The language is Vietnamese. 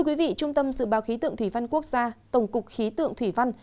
quý vị trung tâm dự báo khí tượng thủy văn quốc gia tổng cục khí tượng thủy văn